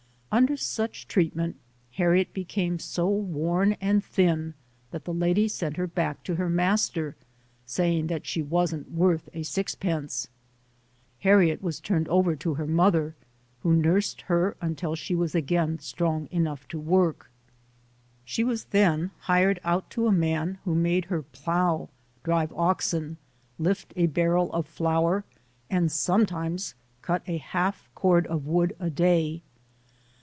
Under such treatment, Harriet became so worn and thin that the lady sent her back to her master saying that she wasn't worth a six pence. Har riet was turned over to her mother, who nursed her until she was again strong enough to work. She was then hired out to a man who made her plow, drive oxen, lift a barrel of flour, and some times cut a half cord of wood a day.